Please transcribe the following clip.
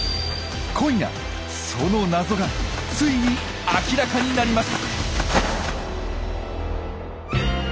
今夜その謎がついに明らかになります！